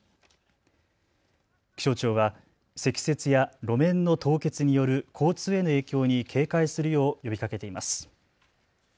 気象庁は積雪や路面の凍結による交通への影響に警戒するよう呼びかけています。